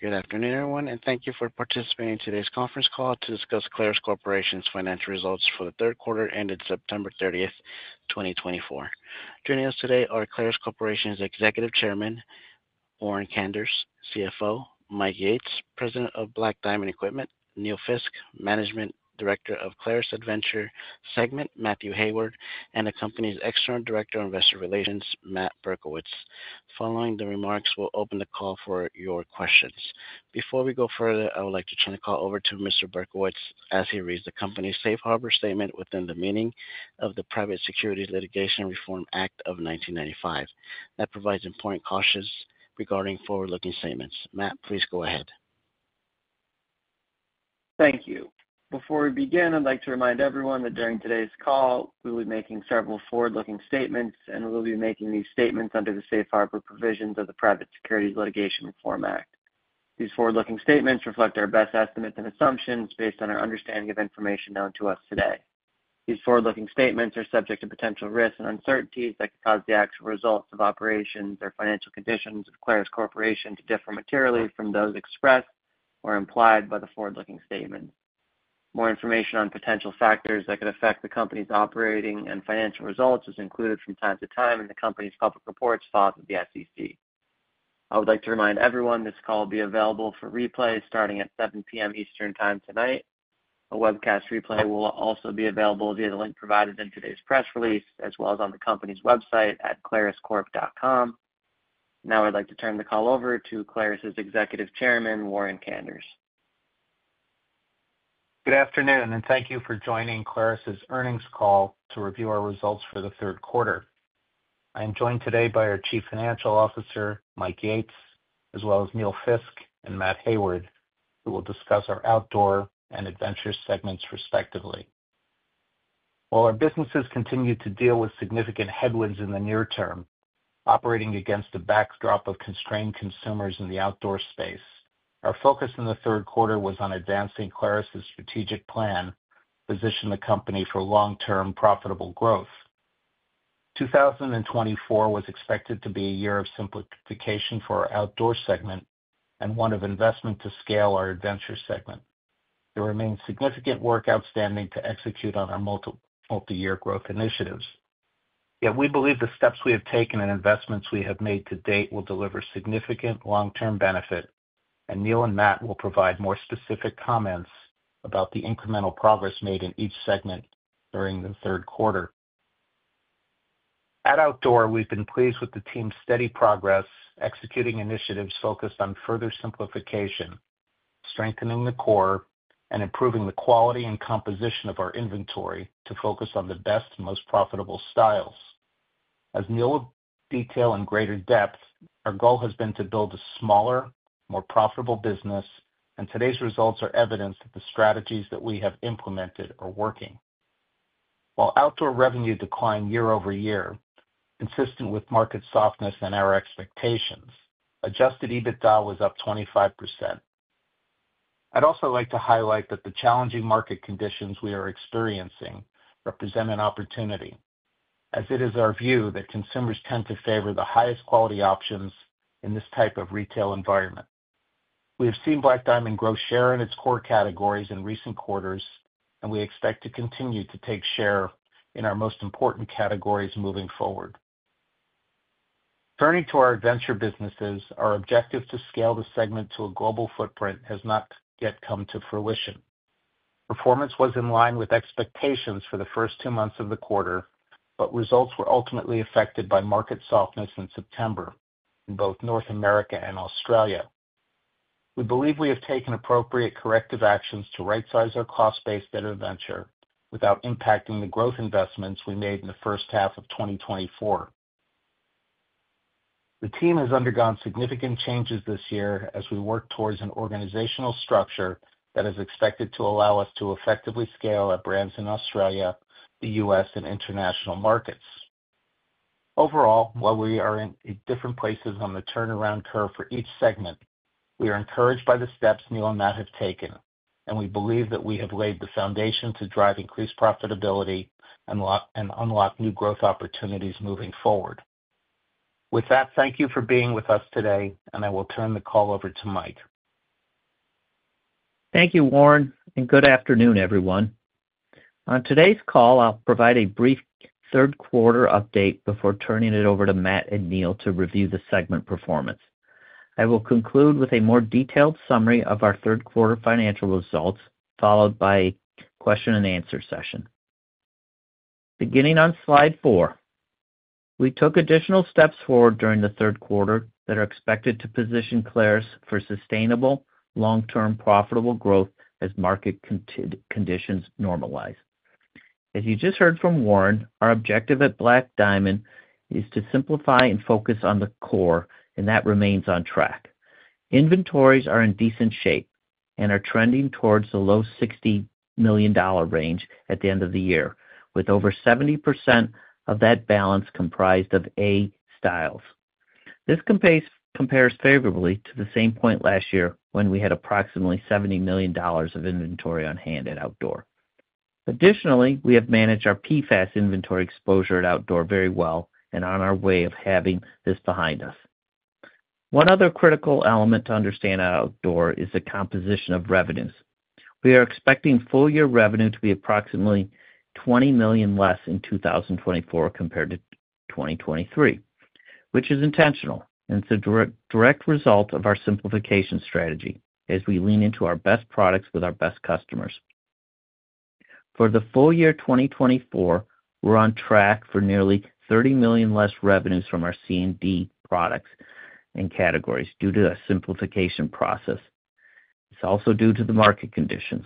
Good afternoon, everyone, and thank you for participating in today's conference call to discuss Clarus Corporation's Financial Results for the Third Quarter ended September 30th, 2024. Joining us today are Clarus Corporation's Executive Chairman, Warren Kanders; CFO, Mike Yates; President of Black Diamond Equipment, Neil Fiske; Managing Director of Clarus Adventure Segment, Mathew Hayward; and the company's External Director of Investor Relations, Matt Berkowitz. Following the remarks, we'll open the call for your questions. Before we go further, I would like to turn the call over to Mr. Berkowitz as he reads the company's safe harbor statement within the meaning of the Private Securities Litigation Reform Act of 1995 that provides important cautions regarding forward-looking statements. Matt, please go ahead. Thank you. Before we begin, I'd like to remind everyone that during today's call, we will be making several forward-looking statements, and we'll be making these statements under the safe harbor provisions of the Private Securities Litigation Reform Act. These forward-looking statements reflect our best estimates and assumptions based on our understanding of information known to us today. These forward-looking statements are subject to potential risks and uncertainties that could cause the actual results of operations or financial conditions of Clarus Corporation to differ materially from those expressed or implied by the forward-looking statements. More information on potential factors that could affect the company's operating and financial results is included from time to time in the company's public reports filed with the SEC. I would like to remind everyone this call will be available for replay starting at 7:00 P.M. Eastern Time tonight. A webcast replay will also be available via the link provided in today's press release, as well as on the company's website at claruscorp.com. Now, I'd like to turn the call over to Clarus's Executive Chairman, Warren Kanders. Good afternoon, and thank you for joining Clarus's earnings call to review our results for the third quarter. I am joined today by our Chief Financial Officer, Mike Yates, as well as Neil Fiske and Matt Hayward, who will discuss our outdoor and adventure segments respectively. While our businesses continue to deal with significant headwinds in the near term, operating against a backdrop of constrained consumers in the outdoor space, our focus in the third quarter was on advancing Clarus's strategic plan to position the company for long-term profitable growth. 2024 was expected to be a year of simplification for our outdoor segment and one of investment to scale our adventure segment. There remains significant work outstanding to execute on our multi-year growth initiatives. Yet, we believe the steps we have taken and investments we have made to date will deliver significant long-term benefit, and Neil and Matt will provide more specific comments about the incremental progress made in each segment during the third quarter. At Outdoor, we've been pleased with the team's steady progress executing initiatives focused on further simplification, strengthening the core, and improving the quality and composition of our inventory to focus on the best, most profitable styles. As Neil will detail in greater depth, our goal has been to build a smaller, more profitable business, and today's results are evidence that the strategies that we have implemented are working. While Outdoor revenue declined year over year, consistent with market softness and our expectations, Adjusted EBITDA was up 25%. I'd also like to highlight that the challenging market conditions we are experiencing represent an opportunity, as it is our view that consumers tend to favor the highest quality options in this type of retail environment. We have seen Black Diamond grow share in its core categories in recent quarters, and we expect to continue to take share in our most important categories moving forward. Turning to our adventure businesses, our objective to scale the segment to a global footprint has not yet come to fruition. Performance was in line with expectations for the first two months of the quarter, but results were ultimately affected by market softness in September in both North America and Australia. We believe we have taken appropriate corrective actions to right-size our cost base at Adventure without impacting the growth investments we made in the first half of 2024. The team has undergone significant changes this year as we work towards an organizational structure that is expected to allow us to effectively scale our brands in Australia, the U.S., and international markets. Overall, while we are in different places on the turnaround curve for each segment, we are encouraged by the steps Neil and Matt have taken, and we believe that we have laid the foundation to drive increased profitability and unlock new growth opportunities moving forward. With that, thank you for being with us today, and I will turn the call over to Mike. Thank you, Warren, and good afternoon, everyone. On today's call, I'll provide a brief third-quarter update before turning it over to Matt and Neil to review the segment performance. I will conclude with a more detailed summary of our third-quarter financial results, followed by a question-and-answer session. Beginning on slide four, we took additional steps forward during the third quarter that are expected to position Clarus for sustainable, long-term profitable growth as market conditions normalize. As you just heard from Warren, our objective at Black Diamond is to simplify and focus on the core, and that remains on track. Inventories are in decent shape and are trending towards the low $60 million range at the end of the year, with over 70% of that balance comprised of A styles. This compares favorably to the same point last year when we had approximately $70 million of inventory on hand at outdoor. Additionally, we have managed our PFAS inventory exposure at Outdoor very well and are on our way of having this behind us. One other critical element to understand at Outdoor is the composition of revenues. We are expecting full-year revenue to be approximately $20 million less in 2024 compared to 2023, which is intentional and is a direct result of our simplification strategy as we lean into our best products with our best customers. For the full year 2024, we're on track for nearly $30 million less revenues from our C&D products and categories due to a simplification process. It's also due to the market conditions.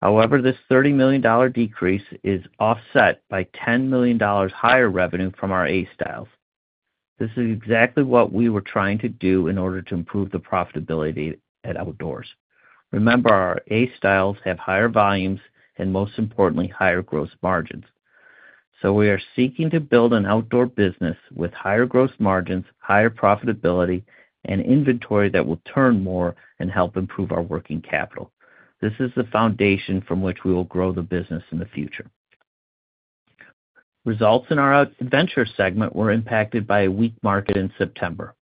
However, this $30 million decrease is offset by $10 million higher revenue from our A styles. This is exactly what we were trying to do in order to improve the profitability at Outdoor. Remember, our A styles have higher volumes and, most importantly, higher gross margins. So we are seeking to build an outdoor business with higher gross margins, higher profitability, and inventory that will turn more and help improve our working capital. This is the foundation from which we will grow the business in the future. Results in our Adventure segment were impacted by a weak market in September.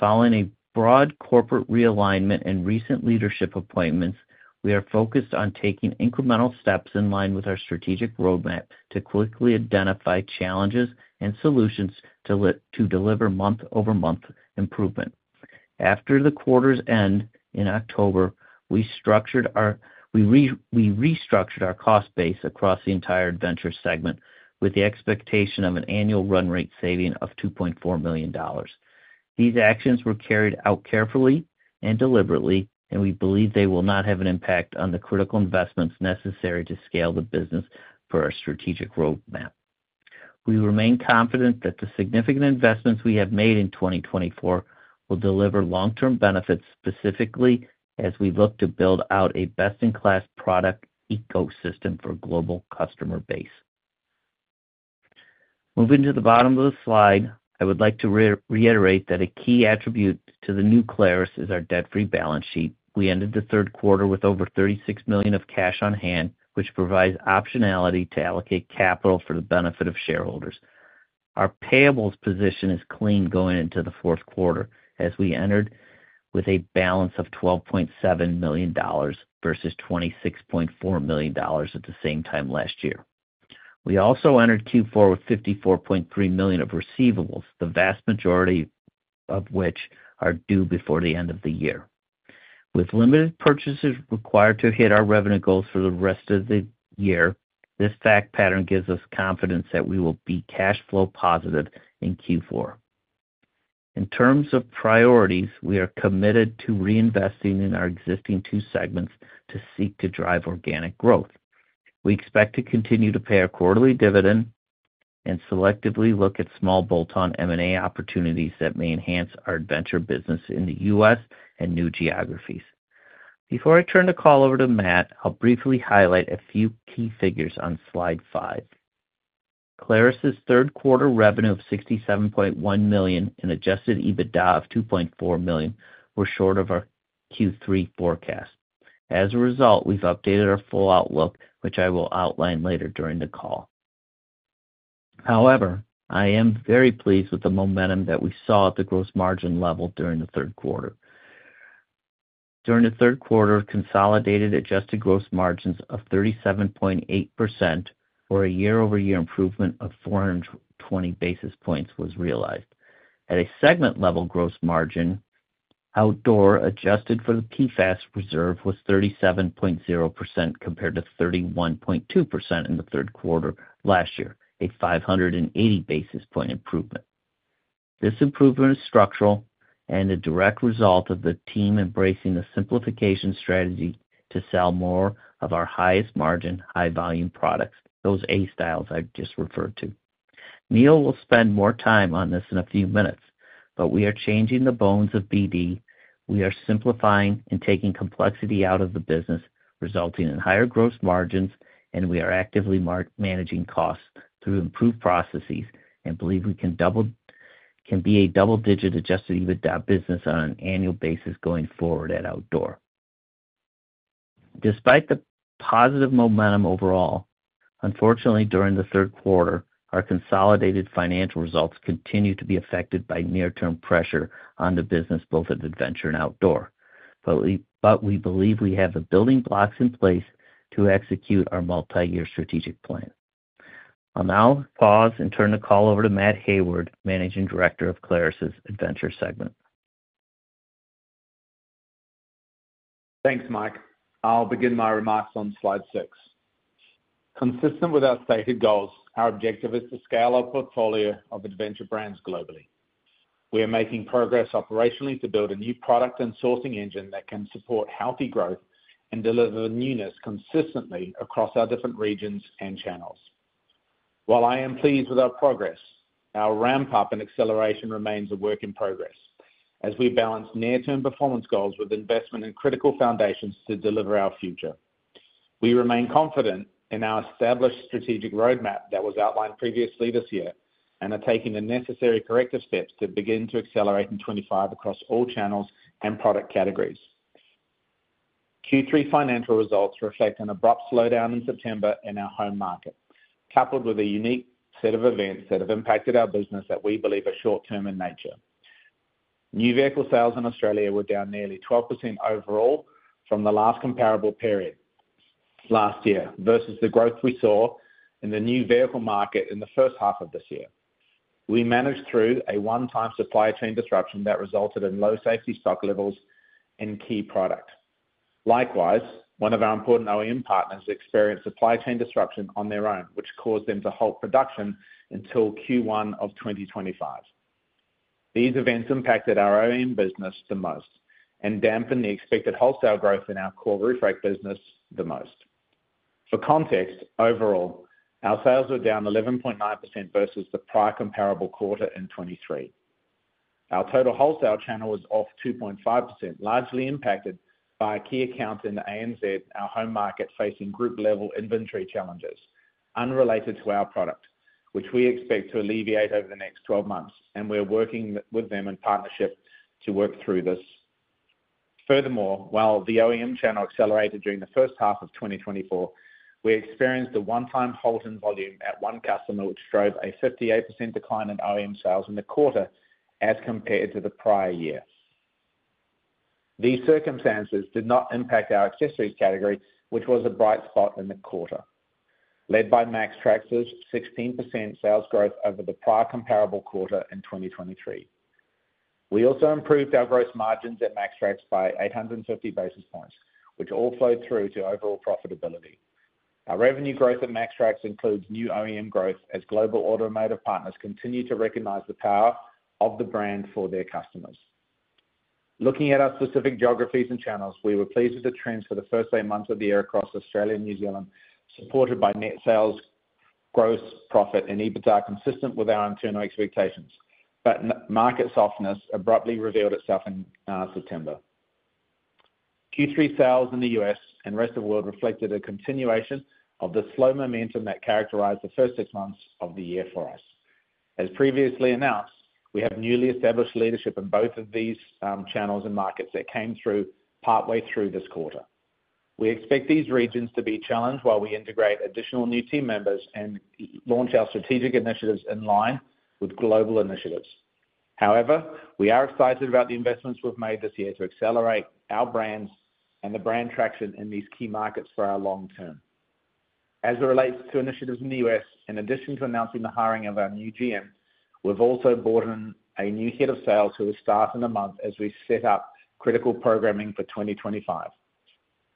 Following a broad corporate realignment and recent leadership appointments, we are focused on taking incremental steps in line with our strategic roadmap to quickly identify challenges and solutions to deliver month-over-month improvement. After the quarter's end in October, we restructured our cost base across the entire Adventure segment with the expectation of an annual run rate saving of $2.4 million. These actions were carried out carefully and deliberately, and we believe they will not have an impact on the critical investments necessary to scale the business for our strategic roadmap. We remain confident that the significant investments we have made in 2024 will deliver long-term benefits specifically as we look to build out a best-in-class product ecosystem for a global customer base. Moving to the bottom of the slide, I would like to reiterate that a key attribute to the new Clarus is our debt-free balance sheet. We ended the third quarter with over $36 million of cash on hand, which provides optionality to allocate capital for the benefit of shareholders. Our payables position is clean going into the fourth quarter as we entered with a balance of $12.7 million versus $26.4 million at the same time last year. We also entered Q4 with $54.3 million of receivables, the vast majority of which are due before the end of the year. With limited purchases required to hit our revenue goals for the rest of the year, this fact pattern gives us confidence that we will be cash flow positive in Q4. In terms of priorities, we are committed to reinvesting in our existing two segments to seek to drive organic growth. We expect to continue to pay a quarterly dividend and selectively look at small bolt-on M&A opportunities that may enhance our adventure business in the U.S. and new geographies. Before I turn the call over to Matt, I'll briefly highlight a few key figures on slide five. Clarus's third-quarter revenue of $67.1 million and adjusted EBITDA of $2.4 million were short of our Q3 forecast. As a result, we've updated our full outlook, which I will outline later during the call. However, I am very pleased with the momentum that we saw at the gross margin level during the third quarter. During the third quarter, consolidated adjusted gross margins of 37.8% or a year-over-year improvement of 420 basis points was realized. At a segment-level gross margin, outdoor adjusted for the PFAS reserve was 37.0% compared to 31.2% in the third quarter last year, a 580 basis point improvement. This improvement is structural and a direct result of the team embracing the simplification strategy to sell more of our highest margin, high-volume products, those A styles I just referred to. Neil will spend more time on this in a few minutes, but we are changing the bones of BD. We are simplifying and taking complexity out of the business, resulting in higher gross margins, and we are actively managing costs through improved processes and believe we can be a double-digit Adjusted EBITDA business on an annual basis going forward at Outdoor. Despite the positive momentum overall, unfortunately, during the third quarter, our consolidated financial results continue to be affected by near-term pressure on the business, both at Adventure and Outdoor, but we believe we have the building blocks in place to execute our multi-year strategic plan. I'll now pause and turn the call over to Matt Hayward, Managing Director of Clarus's Adventure segment. Thanks, Mike. I'll begin my remarks on slide six. Consistent with our stated goals, our objective is to scale our portfolio of adventure brands globally. We are making progress operationally to build a new product and sourcing engine that can support healthy growth and deliver newness consistently across our different regions and channels. While I am pleased with our progress, our ramp-up and acceleration remains a work in progress as we balance near-term performance goals with investment in critical foundations to deliver our future. We remain confident in our established strategic roadmap that was outlined previously this year and are taking the necessary corrective steps to begin to accelerate in 2025 across all channels and product categories. Q3 financial results reflect an abrupt slowdown in September in our home market, coupled with a unique set of events that have impacted our business that we believe are short-term in nature. New vehicle sales in Australia were down nearly 12% overall from the last comparable period last year versus the growth we saw in the new vehicle market in the first half of this year. We managed through a one-time supply chain disruption that resulted in low safety stock levels and key product. Likewise, one of our important OEM partners experienced supply chain disruption on their own, which caused them to halt production until Q1 of 2025. These events impacted our OEM business the most and dampened the expected wholesale growth in our core roof rack business the most. For context, overall, our sales were down 11.9% versus the prior comparable quarter in 2023. Our total wholesale channel was off 2.5%, largely impacted by key accounts in the ANZ, our home market, facing group-level inventory challenges unrelated to our product, which we expect to alleviate over the next 12 months, and we are working with them in partnership to work through this. Furthermore, while the OEM channel accelerated during the first half of 2024, we experienced a one-time halt in volume at one customer, which drove a 58% decline in OEM sales in the quarter as compared to the prior year. These circumstances did not impact our accessories category, which was a bright spot in the quarter, led by MAXTRAX's 16% sales growth over the prior comparable quarter in 2023. We also improved our gross margins at MAXTRAX by 850 basis points, which all flowed through to overall profitability. Our revenue growth at MAXTRAX includes new OEM growth as global automotive partners continue to recognize the power of the brand for their customers. Looking at our specific geographies and channels, we were pleased with the trends for the first eight months of the year across Australia and New Zealand, supported by net sales, gross profit, and EBITDA consistent with our internal expectations, but market softness abruptly revealed itself in September. Q3 sales in the U.S. and rest of the world reflected a continuation of the slow momentum that characterized the first six months of the year for us. As previously announced, we have newly established leadership in both of these channels and markets that came partway through this quarter. We expect these regions to be challenged while we integrate additional new team members and launch our strategic initiatives in line with global initiatives. However, we are excited about the investments we've made this year to accelerate our brands and the brand traction in these key markets for our long term. As it relates to initiatives in the U.S., in addition to announcing the hiring of our new GM, we've also brought in a new head of sales who will start in a month as we set up critical programming for 2025.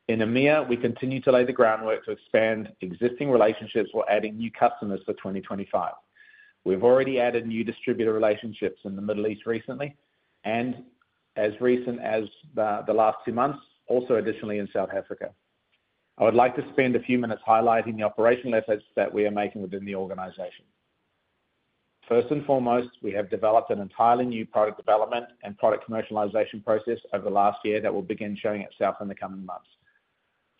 In EMEA, we continue to lay the groundwork to expand existing relationships while adding new customers for 2025. We've already added new distributor relationships in the Middle East recently and, as recently as the last two months, also additionally in South Africa. I would like to spend a few minutes highlighting the operational efforts that we are making within the organization. First and foremost, we have developed an entirely new product development and product commercialization process over the last year that we'll begin showing at South in the coming months.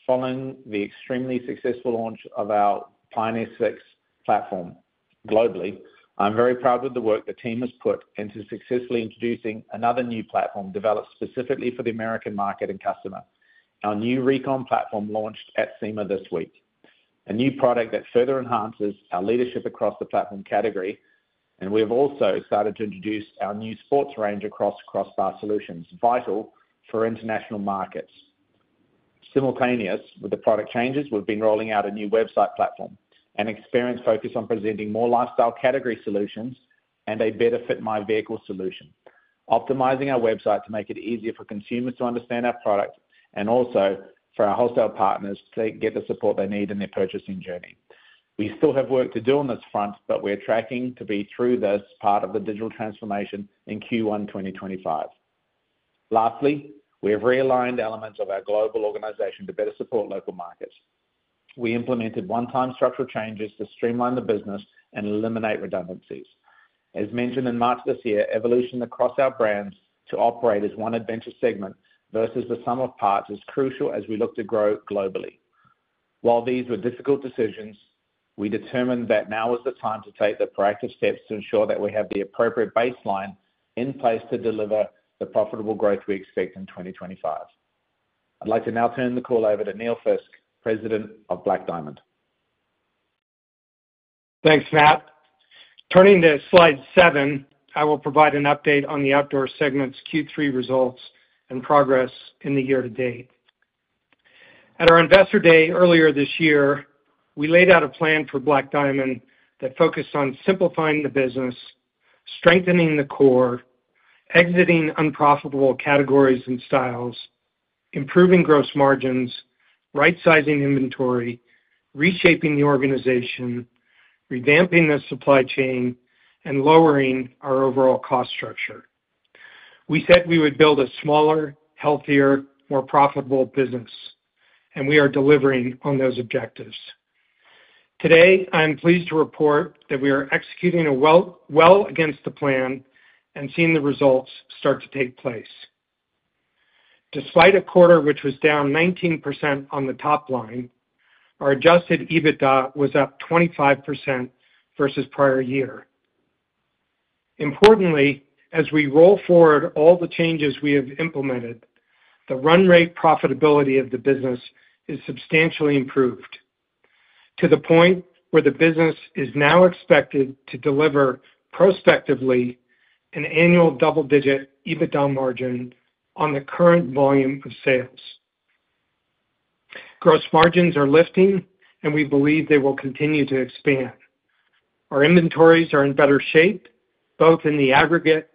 Following the extremely successful launch of our Pioneer 6 platform globally, I'm very proud of the work the team has put into successfully introducing another new platform developed specifically for the American market and customer, our new Recon platform launched at SEMA this week, a new product that further enhances our leadership across the platform category. And we have also started to introduce our new sports range across Crossbar Solutions, vital for international markets. Simultaneous with the product changes, we've been rolling out a new website platform, an experience focused on presenting more lifestyle category solutions and a better Fit My Vehicle solution, optimizing our website to make it easier for consumers to understand our product and also for our wholesale partners to get the support they need in their purchasing journey. We still have work to do on this front, but we're tracking to be through this part of the digital transformation in Q1 2025. Lastly, we have realigned elements of our global organization to better support local markets. We implemented one-time structural changes to streamline the business and eliminate redundancies. As mentioned in March this year, evolution across our brands to operate as one adventure segment versus the sum of parts is crucial as we look to grow globally. While these were difficult decisions, we determined that now was the time to take the proactive steps to ensure that we have the appropriate baseline in place to deliver the profitable growth we expect in 2025. I'd like to now turn the call over to Neil Fiske, President of Black Diamond. Thanks, Matt. Turning to slide seven, I will provide an update on the outdoor segment's Q3 results and progress in the year to date. At our investor day earlier this year, we laid out a plan for Black Diamond that focused on simplifying the business, strengthening the core, exiting unprofitable categories and styles, improving gross margins, right-sizing inventory, reshaping the organization, revamping the supply chain, and lowering our overall cost structure. We said we would build a smaller, healthier, more profitable business, and we are delivering on those objectives. Today, I'm pleased to report that we are executing well against the plan and seeing the results start to take place. Despite a quarter which was down 19% on the top line, our Adjusted EBITDA was up 25% versus prior year. Importantly, as we roll forward all the changes we have implemented, the run rate profitability of the business is substantially improved to the point where the business is now expected to deliver prospectively an annual double-digit EBITDA margin on the current volume of sales. Gross margins are lifting, and we believe they will continue to expand. Our inventories are in better shape, both in the aggregate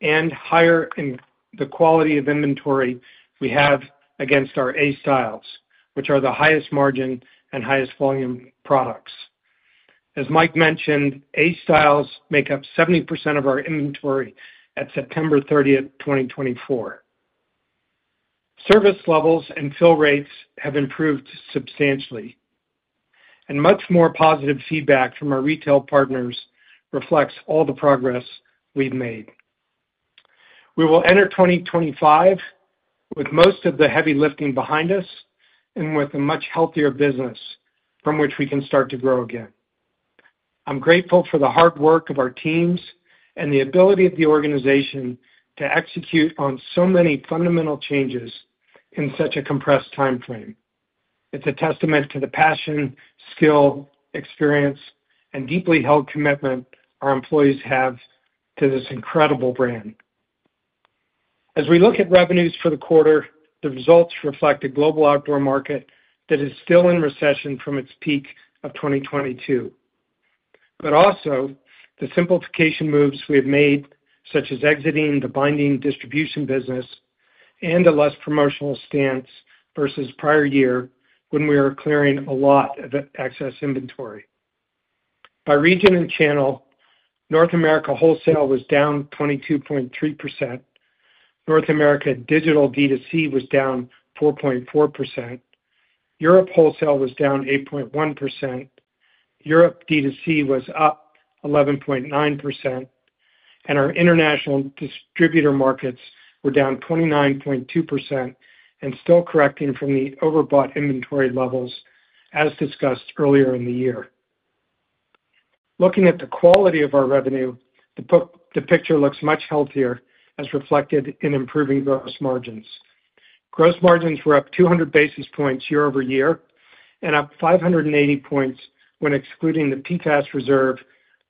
and higher in the quality of inventory we have against our A styles, which are the highest margin and highest volume products. As Mike mentioned, A styles make up 70% of our inventory at September 30th, 2024. Service levels and fill rates have improved substantially, and much more positive feedback from our retail partners reflects all the progress we've made. We will enter 2025 with most of the heavy lifting behind us and with a much healthier business from which we can start to grow again. I'm grateful for the hard work of our teams and the ability of the organization to execute on so many fundamental changes in such a compressed timeframe. It's a testament to the passion, skill, experience, and deeply held commitment our employees have to this incredible brand. As we look at revenues for the quarter, the results reflect a global outdoor market that is still in recession from its peak of 2022, but also the simplification moves we have made, such as exiting the binding distribution business and a less promotional stance versus prior year when we are clearing a lot of excess inventory. By region and channel, North America wholesale was down 22.3%. North America digital D-to-C was down 4.4%. Europe wholesale was down 8.1%. Europe D-to-C was up 11.9%, and our international distributor markets were down 29.2% and still correcting from the overbought inventory levels as discussed earlier in the year. Looking at the quality of our revenue, the picture looks much healthier as reflected in improving gross margins. Gross margins were up 200 basis points year over year and up 580 points when excluding the PFAS reserve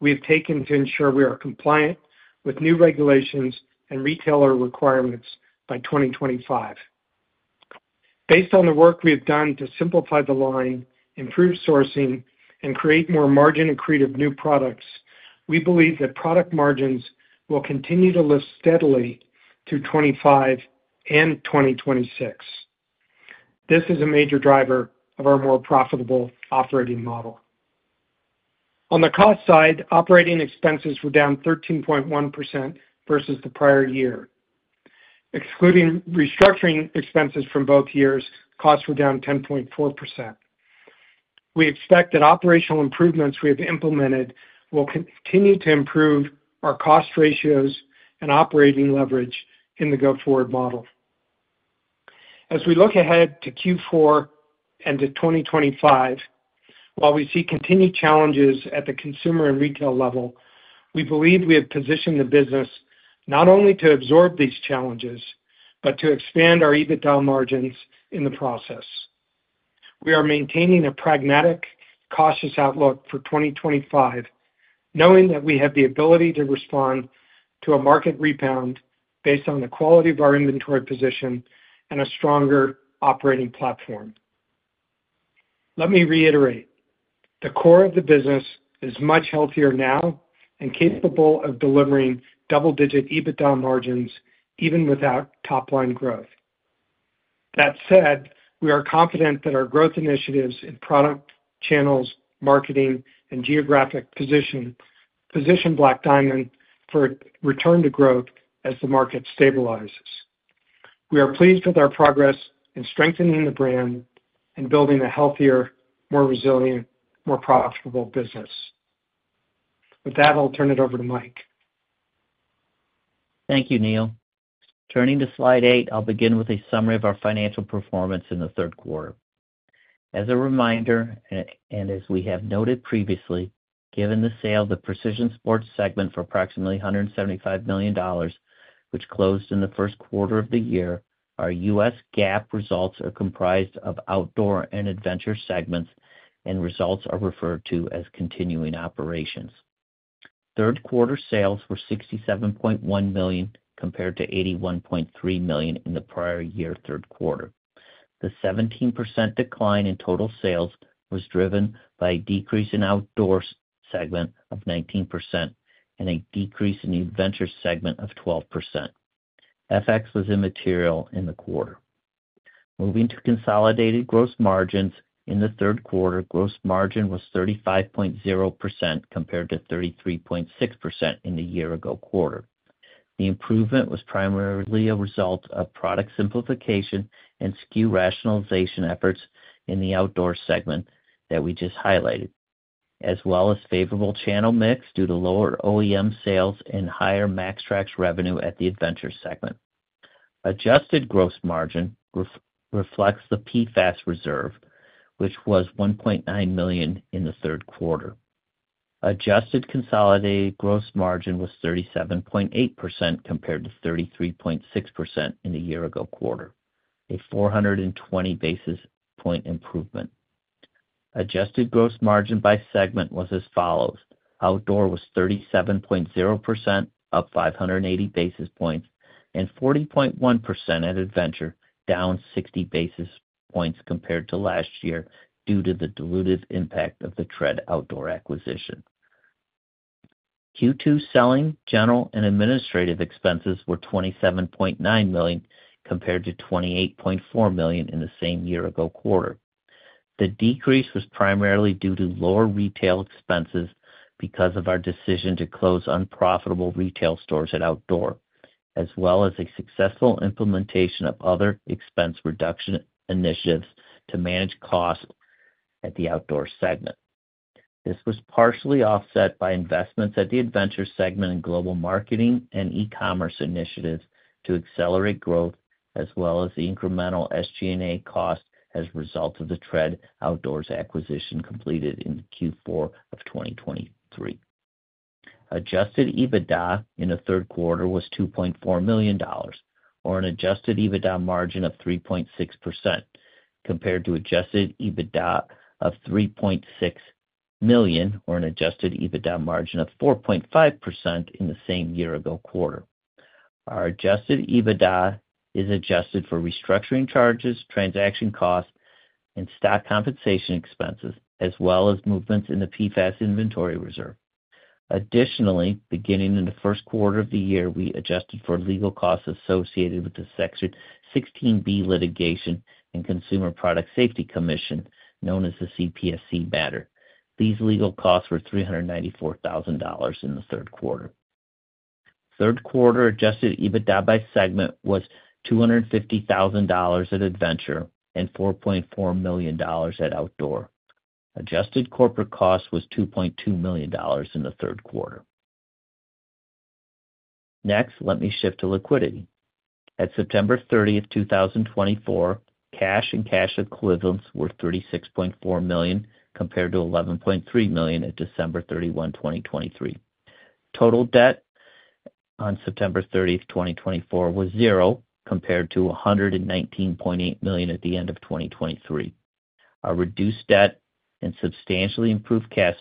we have taken to ensure we are compliant with new regulations and retailer requirements by 2025. Based on the work we have done to simplify the line, improve sourcing, and create more margin and creative new products, we believe that product margins will continue to lift steadily through 2025 and 2026. This is a major driver of our more profitable operating model. On the cost side, operating expenses were down 13.1% versus the prior year. Excluding restructuring expenses from both years, costs were down 10.4%. We expect that operational improvements we have implemented will continue to improve our cost ratios and operating leverage in the go-forward model. As we look ahead to Q4 and to 2025, while we see continued challenges at the consumer and retail level, we believe we have positioned the business not only to absorb these challenges, but to expand our EBITDA margins in the process. We are maintaining a pragmatic, cautious outlook for 2025, knowing that we have the ability to respond to a market rebound based on the quality of our inventory position and a stronger operating platform. Let me reiterate, the core of the business is much healthier now and capable of delivering double-digit EBITDA margins even without top-line growth. That said, we are confident that our growth initiatives in product channels, marketing, and geographic position Black Diamond for return to growth as the market stabilizes. We are pleased with our progress in strengthening the brand and building a healthier, more resilient, more profitable business. With that, I'll turn it over to Mike. Thank you, Neil. Turning to slide eight, I'll begin with a summary of our financial performance in the third quarter. As a reminder, and as we have noted previously, given the sale of the precision sports segment for approximately $175 million, which closed in the first quarter of the year, our U.S. GAAP results are comprised of outdoor and adventure segments, and results are referred to as continuing operations. Third quarter sales were $67.1 million compared to $81.3 million in the prior year third quarter. The 17% decline in total sales was driven by a decrease in outdoor segment of 19% and a decrease in the adventure segment of 12%. FX was immaterial in the quarter. Moving to consolidated gross margins, in the third quarter, gross margin was 35.0% compared to 33.6% in the year-ago quarter. The improvement was primarily a result of product simplification and SKU rationalization efforts in the Outdoor segment that we just highlighted, as well as favorable channel mix due to lower OEM sales and higher MAXTRAX revenue at the Adventure segment. Adjusted gross margin reflects the PFAS reserve, which was $1.9 million in the third quarter. Adjusted consolidated gross margin was 37.8% compared to 33.6% in the year-ago quarter, a 420 basis point improvement. Adjusted gross margin by segment was as follows. Outdoor was 37.0%, up 580 basis points, and 40.1% at Adventure, down 60 basis points compared to last year due to the diluted impact of the TRED Outdoors acquisition. Q2 selling, general, and administrative expenses were $27.9 million compared to $28.4 million in the same year-ago quarter. The decrease was primarily due to lower retail expenses because of our decision to close unprofitable retail stores at Outdoor, as well as a successful implementation of other expense reduction initiatives to manage costs at the Outdoor segment. This was partially offset by investments at the Adventure segment and global marketing and e-commerce initiatives to accelerate growth, as well as incremental SG&A costs as a result of the TRED Outdoors acquisition completed in Q4 of 2023. Adjusted EBITDA in the third quarter was $2.4 million, or an adjusted EBITDA margin of 3.6% compared to adjusted EBITDA of $3.6 million or an adjusted EBITDA margin of 4.5% in the same year-ago quarter. Our adjusted EBITDA is adjusted for restructuring charges, transaction costs, and stock compensation expenses, as well as movements in the PFAS inventory reserve. Additionally, beginning in the first quarter of the year, we adjusted for legal costs associated with the Section 16B litigation and Consumer Product Safety Commission, known as the CPSC matter. These legal costs were $394,000 in the third quarter. Third quarter Adjusted EBITDA by segment was $250,000 at Adventure and $4.4 million at Outdoor. Adjusted corporate cost was $2.2 million in the third quarter. Next, let me shift to liquidity. At September 30th, 2024, cash and cash equivalents were $36.4 million compared to $11.3 million at December 31, 2023. Total debt on September 30th, 2024, was zero compared to $119.8 million at the end of 2023. Our reduced debt and substantially improved cash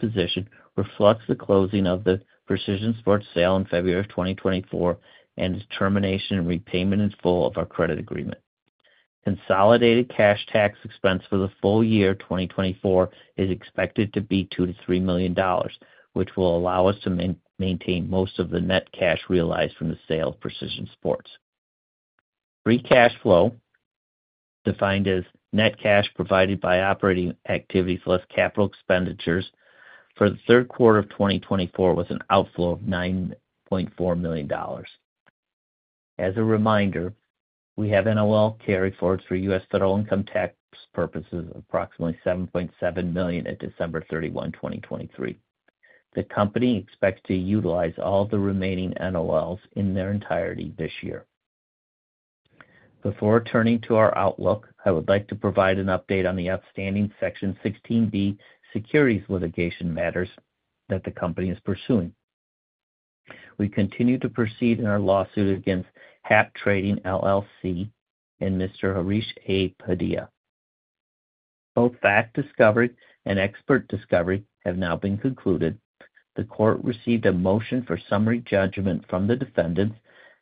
position reflects the closing of the precision sports sale in February of 2024 and its termination and repayment in full of our credit agreement. Consolidated cash tax expense for the full year 2024 is expected to be $2-$3 million, which will allow us to maintain most of the net cash realized from the sale of precision sports. Free cash flow, defined as net cash provided by operating activities less capital expenditures for the third quarter of 2024, was an outflow of $9.4 million. As a reminder, we have NOL carry forwards for U.S. federal income tax purposes of approximately $7.7 million at December 31, 2023. The company expects to utilize all the remaining NOLs in their entirety this year. Before turning to our outlook, I would like to provide an update on the outstanding Section 16B securities litigation matters that the company is pursuing. We continue to proceed in our lawsuit against HAT Trading LLC and Mr. Harsha A. Padia. Both fact discovery and expert discovery have now been concluded. The court received a motion for summary judgment from the defendants,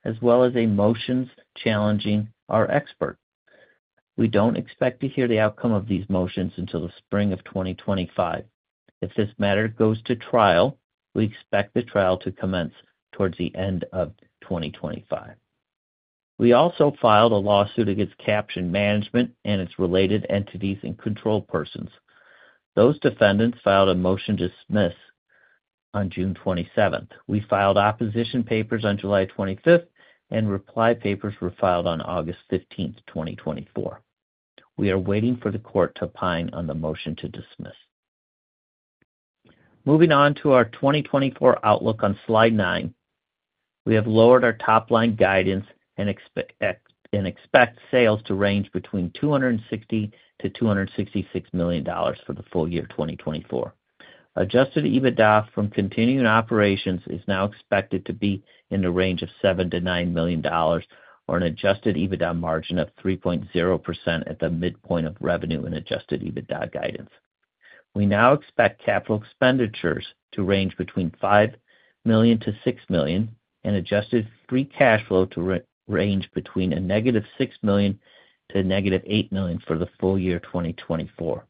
as well as a motion challenging our expert. We don't expect to hear the outcome of these motions until the spring of 2025. If this matter goes to trial, we expect the trial to commence towards the end of 2025. We also filed a lawsuit against Caption Management and its related entities and control persons. Those defendants filed a motion to dismiss on June 27th. We filed opposition papers on July 25th, and reply papers were filed on August 15th, 2024. We are waiting for the court to opine on the motion to dismiss. Moving on to our 2024 outlook on slide nine, we have lowered our top-line guidance and expect sales to range between $260-$266 million for the full year 2024. Adjusted EBITDA from continuing operations is now expected to be in the range of $7-$9 million or an adjusted EBITDA margin of 3.0% at the midpoint of revenue and adjusted EBITDA guidance. We now expect capital expenditures to range between $5-$6 million and adjusted free cash flow to range between -$6 million to -$8 million for the full year 2024.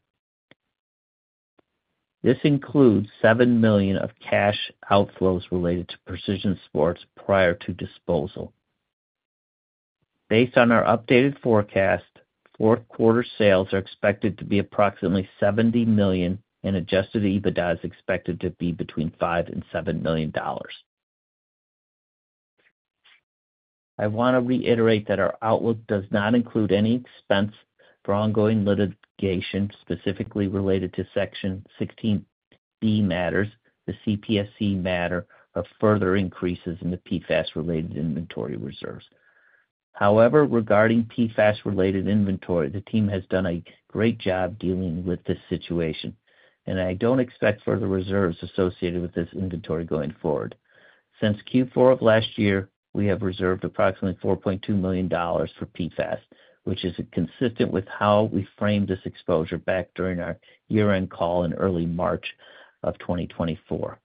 This includes $7 million of cash outflows related to precision sports prior to disposal. Based on our updated forecast, fourth quarter sales are expected to be approximately $70 million, and adjusted EBITDA is expected to be between $5-$7 million. I want to reiterate that our outlook does not include any expense for ongoing litigation specifically related to Section 16B matters, the CPSC matter of further increases in the PFAS-related inventory reserves. However, regarding PFAS-related inventory, the team has done a great job dealing with this situation, and I don't expect further reserves associated with this inventory going forward. Since Q4 of last year, we have reserved approximately $4.2 million for PFAS, which is consistent with how we framed this exposure back during our year-end call in early March of 2024.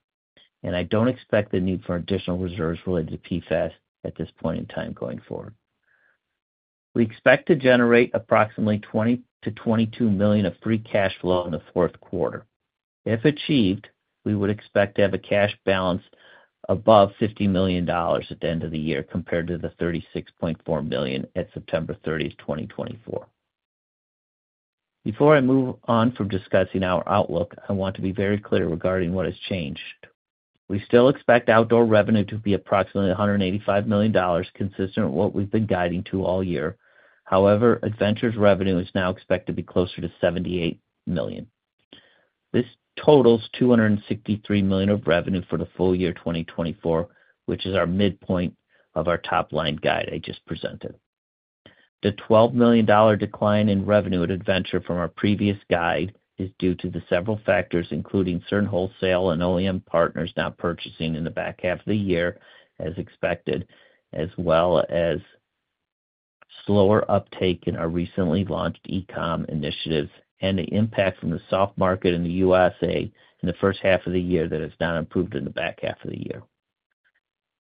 And I don't expect the need for additional reserves related to PFAS at this point in time going forward. We expect to generate approximately $20-$22 million of free cash flow in the fourth quarter. If achieved, we would expect to have a cash balance above $50 million at the end of the year compared to the $36.4 million at September 30th, 2024. Before I move on from discussing our outlook, I want to be very clear regarding what has changed. We still expect outdoor revenue to be approximately $185 million, consistent with what we've been guiding to all year. However, adventure's revenue is now expected to be closer to $78 million. This totals $263 million of revenue for the full year 2024, which is our midpoint of our top-line guide I just presented. The $12 million decline in revenue at adventure from our previous guide is due to the several factors, including certain wholesale and OEM partners not purchasing in the back half of the year, as expected, as well as slower uptake in our recently launched e-comm initiatives and the impact from the soft market in the USA in the first half of the year that has not improved in the back half of the year.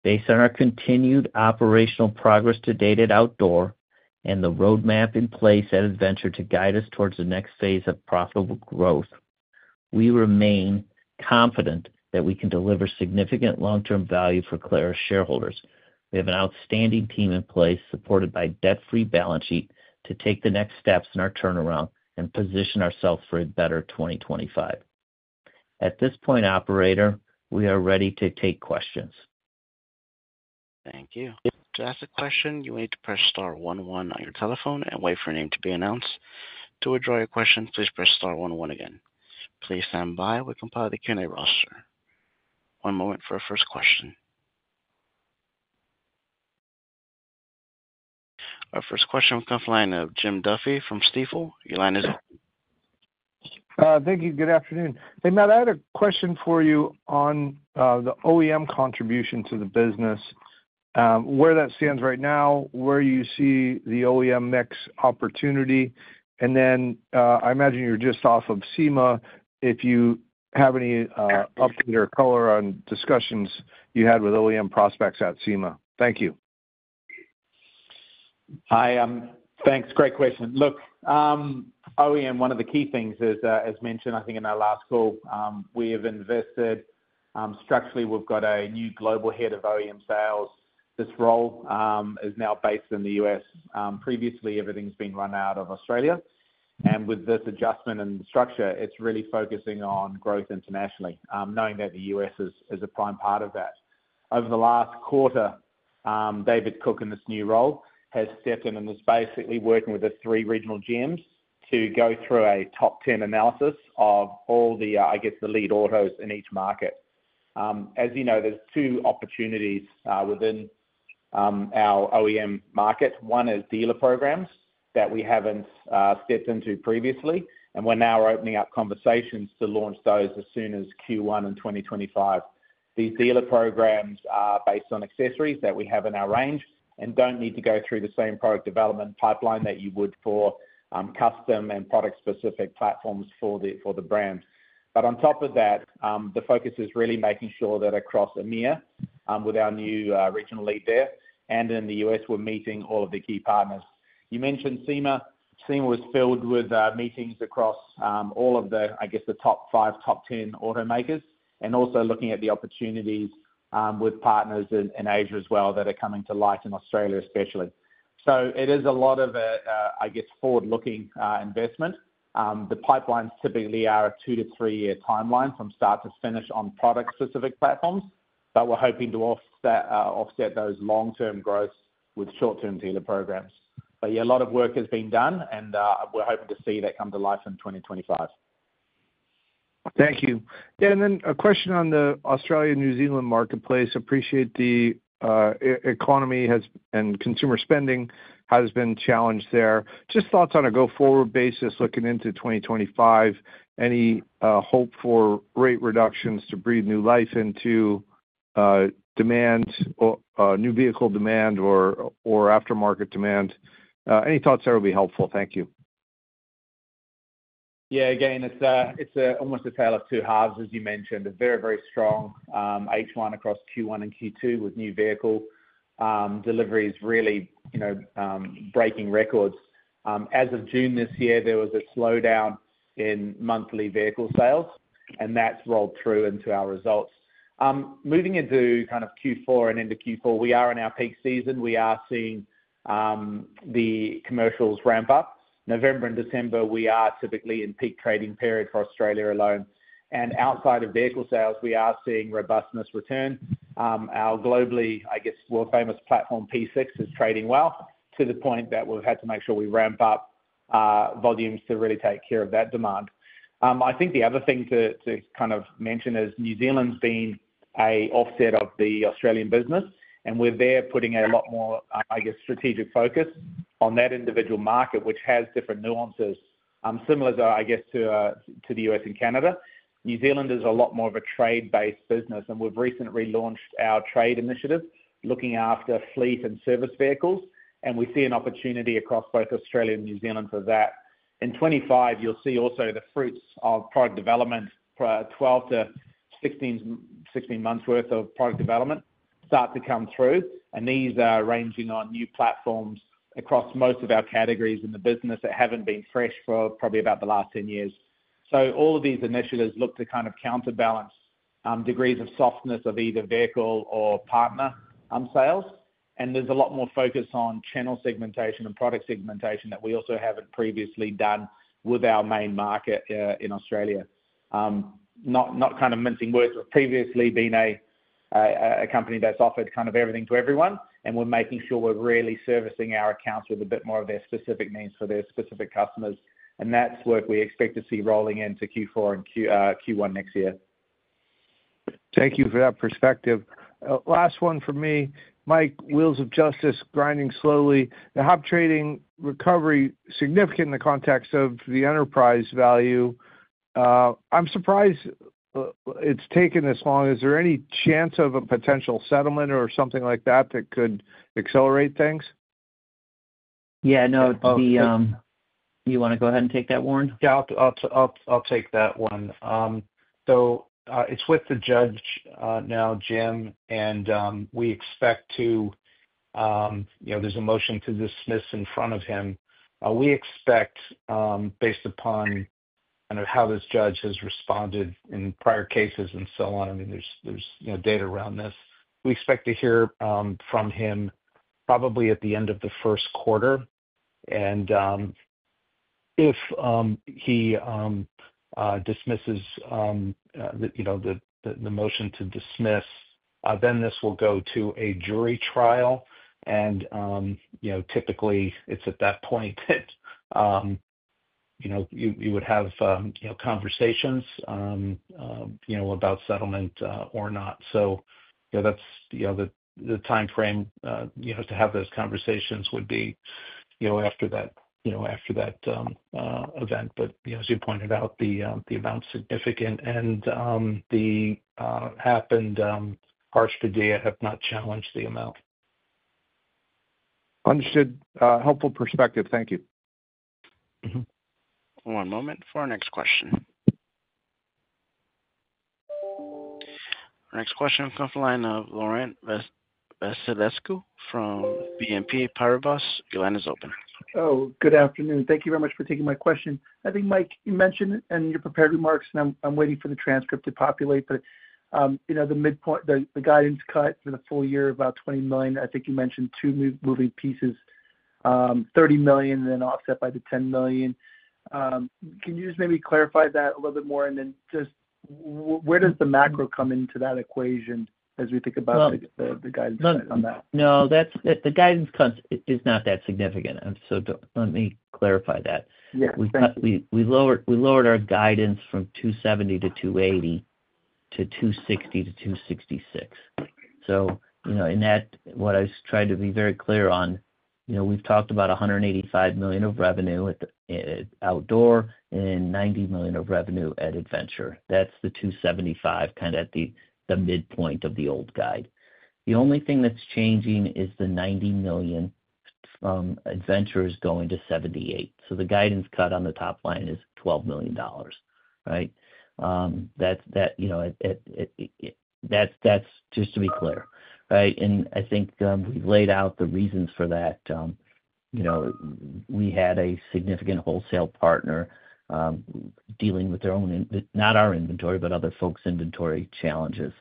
Based on our continued operational progress to date at Outdoor and the roadmap in place at Adventure to guide us towards the next phase of profitable growth, we remain confident that we can deliver significant long-term value for Clarus shareholders. We have an outstanding team in place supported by a debt-free balance sheet to take the next steps in our turnaround and position ourselves for a better 2025. At this point, Operator, we are ready to take questions. Thank you. To ask a question, you will need to press star 11 on your telephone and wait for your name to be announced. To withdraw your question, please press star 11 again. Please stand by. We'll compile the Q&A roster. One moment for our first question. Our first question will come from the line of Jim Duffy from Stifel. Your line is open. Thank you. Good afternoon. Hey, Matt, I had a question for you on the OEM contribution to the business, where that stands right now, where you see the OEM mix opportunity. And then I imagine you're just off of SEMA. If you have any update or color on discussions you had with OEM prospects at SEMA? Thank you. Hi. Thanks. Great question. Look, OEM, one of the key things is, as mentioned, I think in our last call, we have invested structurally. We've got a new global head of OEM sales. This role is now based in the U.S. Previously, everything's been run out of Australia, and with this adjustment in structure, it's really focusing on growth internationally, knowing that the U.S. is a prime part of that. Over the last quarter, David Cook in this new role has stepped in, and he's basically working with the three regional teams to go through a top 10 analysis of all the, I guess, the lead autos in each market. As you know, there's two opportunities within our OEM market. One is dealer programs that we haven't stepped into previously, and we're now opening up conversations to launch those as soon as Q1 in 2025. These dealer programs are based on accessories that we have in our range and don't need to go through the same product development pipeline that you would for custom and product-specific platforms for the brand. But on top of that, the focus is really making sure that across EMEA, with our new regional lead there, and in the US, we're meeting all of the key partners. You mentioned SEMA. SEMA was filled with meetings across all of the, I guess, the top five, top 10 automakers, and also looking at the opportunities with partners in Asia as well that are coming to light in Australia, especially. So it is a lot of, I guess, forward-looking investment. The pipelines typically are a two- to three-year timeline from start to finish on product-specific platforms, but we're hoping to offset those long-term growths with short-term dealer programs. But yeah, a lot of work has been done, and we're hoping to see that come to life in 2025. Thank you. Yeah. And then a question on the Australia-New Zealand marketplace. Appreciate the economy and consumer spending has been challenged there. Just thoughts on a go-forward basis looking into 2025. Any hope for rate reductions to breathe new life into demand, new vehicle demand, or aftermarket demand? Any thoughts there would be helpful? Thank you. Yeah. Again, it's almost a tale of two halves, as you mentioned. A very, very strong H1 across Q1 and Q2 with new vehicle deliveries really breaking records. As of June this year, there was a slowdown in monthly vehicle sales, and that's rolled through into our results. Moving into kind of Q4 and into Q4, we are in our peak season. We are seeing the commercials ramp up. November and December, we are typically in peak trading period for Australia alone. And outside of vehicle sales, we are seeing robustness return. Our globally, I guess, world-famous platform P6 is trading well to the point that we've had to make sure we ramp up volumes to really take care of that demand. I think the other thing to kind of mention is New Zealand's been an offset of the Australian business, and we're there putting a lot more, I guess, strategic focus on that individual market, which has different nuances, similar as, I guess, to the U.S. and Canada. New Zealand is a lot more of a trade-based business, and we've recently launched our trade initiative looking after fleet and service vehicles, and we see an opportunity across both Australia and New Zealand for that. In 2025, you'll see also the fruits of product development, 12 to 16 months' worth of product development start to come through, and these are ranging on new platforms across most of our categories in the business that haven't been fresh for probably about the last 10 years. So all of these initiatives look to kind of counterbalance degrees of softness of either vehicle or partner sales, and there's a lot more focus on channel segmentation and product segmentation that we also haven't previously done with our main market in Australia. Not kind of mincing words, we've previously been a company that's offered kind of everything to everyone, and we're making sure we're really servicing our accounts with a bit more of their specific needs for their specific customers, and that's work we expect to see rolling into Q4 and Q1 next year. Thank you for that perspective. Last one for me, Mike. Wheels of Justice, grinding slowly. The HAT Trading recovery is significant in the context of the enterprise value. I'm surprised it's taken this long. Is there any chance of a potential settlement or something like that that could accelerate things? Yeah. No, you want to go ahead and take that, Warren? Yeah. I'll take that one. So it's with the judge now, Jim, and we expect there's a motion to dismiss in front of him. We expect, based upon kind of how this judge has responded in prior cases and so on, I mean, there's data around this, we expect to hear from him probably at the end of the first quarter. And if he dismisses the motion to dismiss, then this will go to a jury trial, and typically, it's at that point that you would have conversations about settlement or not. So that's the timeframe to have those conversations would be after that event. But as you pointed out, the amount's significant, and the Harsha A. Padia have not challenged the amount. Understood. Helpful perspective. Thank you. One moment for our next question. Our next question will come from the line of Laurent Vasilescu from BNP Paribas. Your line is open. Oh, good afternoon. Thank you very much for taking my question. I think, Mike, you mentioned in your prepared remarks, and I'm waiting for the transcript to populate, but the guidance cut for the full year, about $20 million, I think you mentioned two moving pieces, $30 million, and then offset by the $10 million. Can you just maybe clarify that a little bit more? And then just where does the macro come into that equation as we think about the guidance cut on that? No, the guidance cut is not that significant. So let me clarify that. We lowered our guidance from $270 million to $280 million to $260 million to $266 million. So in that, what I was trying to be very clear on, we've talked about $185 million of revenue at outdoor and $90 million of revenue at adventure. That's the $275 million kind of at the midpoint of the old guide. The only thing that's changing is the $90 million from adventure is going to $78 million. So the guidance cut on the top line is $12 million, right? That's just to be clear, right? And I think we've laid out the reasons for that. We had a significant wholesale partner dealing with their own - not our inventory, but other folks' inventory challenges.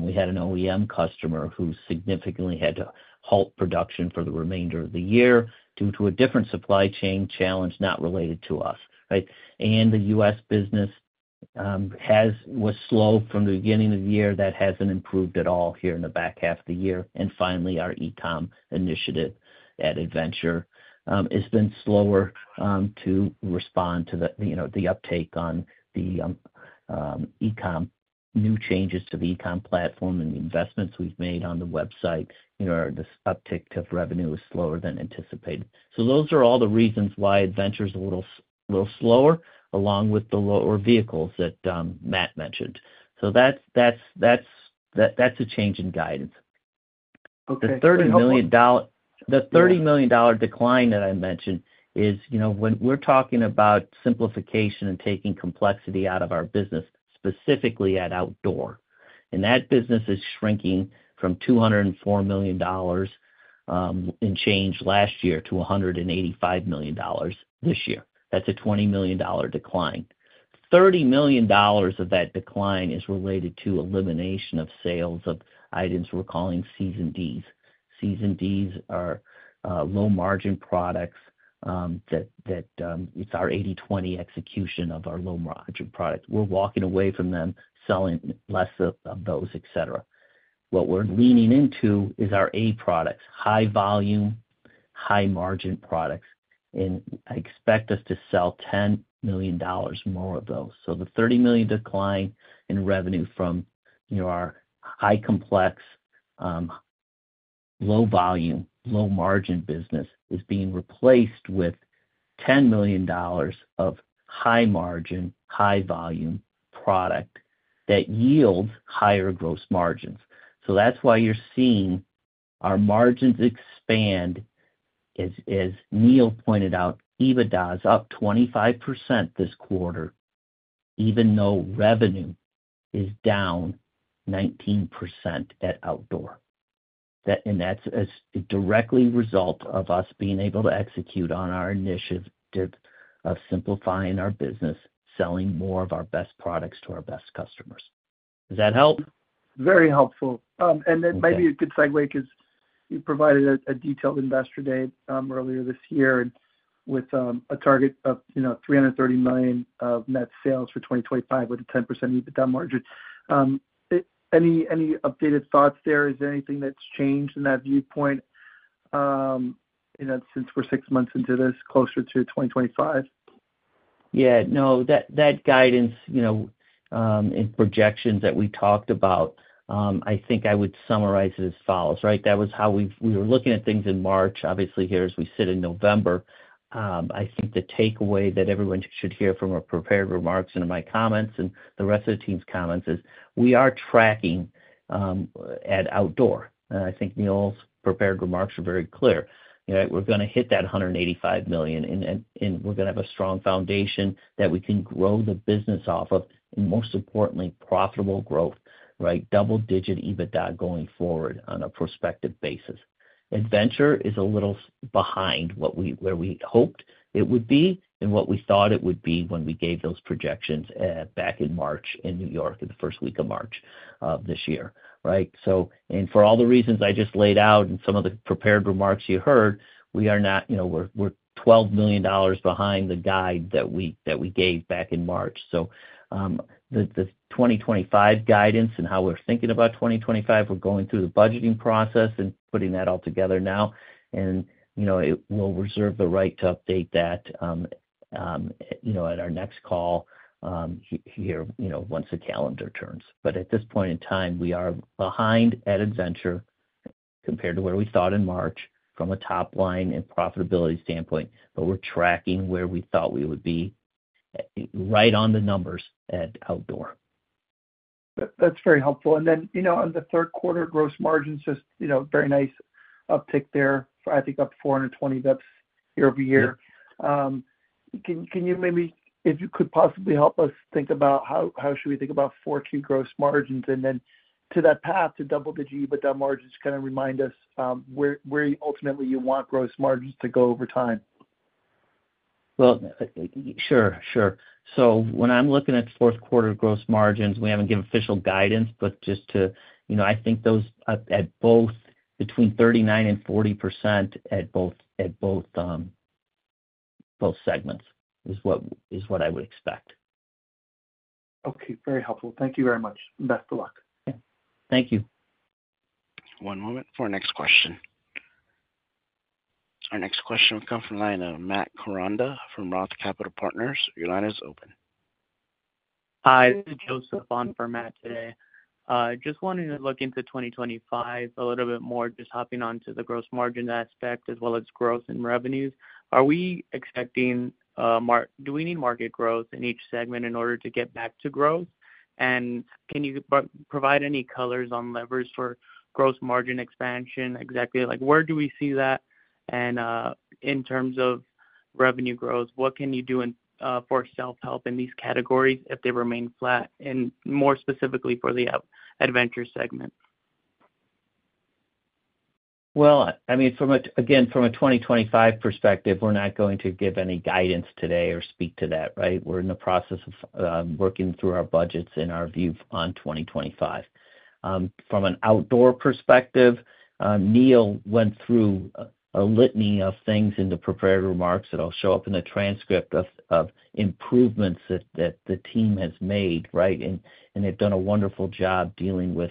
We had an OEM customer who significantly had to halt production for the remainder of the year due to a different supply chain challenge not related to us, right? And the U.S. business was slow from the beginning of the year. That hasn't improved at all here in the back half of the year. And finally, our e-comm initiative at Adventure has been slower to respond to the uptake on the e-comm, new changes to the e-comm platform, and the investments we've made on the website. This uptick to revenue is slower than anticipated. So those are all the reasons why Adventure is a little slower, along with the lower vehicles that Matt mentioned. So that's a change in guidance. The $30 million decline that I mentioned is when we're talking about simplification and taking complexity out of our business, specifically at Outdoor. That business is shrinking from $204 million last year to $185 million this year. That's a $20 million decline. $30 million of that decline is related to elimination of sales of items we're calling C&Ds. C&Ds are low-margin products that is our 80/20 execution of our low-margin products. We're walking away from them, selling less of those, etc. What we're leaning into is our A styles, high-volume, high-margin products, and I expect us to sell $10 million more of those. The $30 million decline in revenue from our high-complexity, low-volume, low-margin business is being replaced with $10 million of high-margin, high-volume product that yields higher gross margins. That's why you're seeing our margins expand, as Neil pointed out, EBITDA up 25% this quarter, even though revenue is down 19% at outdoor. That's a direct result of us being able to execute on our initiative of simplifying our business, selling more of our best products to our best customers. Does that help? Very helpful. Then maybe a good segue because you provided a detailed investor day earlier this year with a target of $330 million of net sales for 2025 with a 10% EBITDA margin. Any updated thoughts there? Is there anything that's changed in that viewpoint since we're six months into this, closer to 2025? Yeah. No, that guidance and projections that we talked about, I think I would summarize it as follows, right? That was how we were looking at things in March. Obviously, here as we sit in November, I think the takeaway that everyone should hear from our prepared remarks and my comments and the rest of the team's comments is we are tracking ahead in the Outdoor, and I think Neil's prepared remarks are very clear. We're going to hit that $185 million, and we're going to have a strong foundation that we can grow the business off of, and most importantly, profitable growth, right? Double-digit EBITDA going forward on a prospective basis. Adventure is a little behind where we hoped it would be and what we thought it would be when we gave those projections back in March in New York in the first week of March of this year, right? And for all the reasons I just laid out and some of the prepared remarks you heard, we're $12 million behind the guide that we gave back in March. So the 2025 guidance and how we're thinking about 2025, we're going through the budgeting process and putting that all together now, and we'll reserve the right to update that at our next call here once the calendar turns. But at this point in time, we are behind at adventure compared to where we thought in March from a top line and profitability standpoint, but we're tracking where we thought we would be right on the numbers at outdoor. That's very helpful. And then on the third quarter, gross margins, just very nice uptick there, I think up 420 basis points year over year. Can you maybe, if you could possibly help us think about how should we think about forward gross margins and then to that path to double-digit EBITDA margins? Kind of remind us where ultimately you want gross margins to go over time? Sure. Sure. So when I'm looking at fourth quarter gross margins, we haven't given official guidance, but just to, I think those at both between 39% and 40% at both segments is what I would expect. Okay. Very helpful. Thank you very much. Best of luck. Thank you. One moment for our next question. Our next question will come from the line of Matt Koranda from Roth Capital Partners. Your line is open. Hi. This is Joseph on for Matt today. Just wanting to look into 2025 a little bit more, just hopping onto the gross margin aspect as well as growth and revenues. Are we expecting? Do we need market growth in each segment in order to get back to growth? And can you provide any colors on levers for gross margin expansion? Exactly where do we see that? And in terms of revenue growth, what can you do for self-help in these categories if they remain flat? And more specifically for the adventure segment. I mean, again, from a 2025 perspective, we're not going to give any guidance today or speak to that, right? We're in the process of working through our budgets and our view on 2025. From an outdoor perspective, Neil went through a litany of things in the prepared remarks that will show up in the transcript of improvements that the team has made, right? They've done a wonderful job dealing with